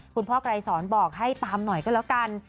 คุณพ่อกลายสอนบอกให้ตามหน่อยก็แล้วกัน